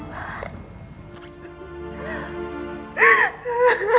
kamu harus sabar